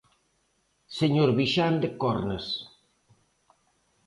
Señor Vixande Cornes.